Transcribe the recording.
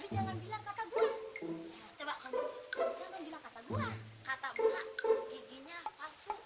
terserah ngomong apa